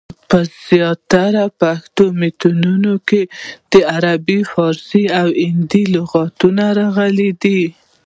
په زیاترو پښتو متونو کي دعربي، پاړسي، او هندي لغتونه راغلي دي.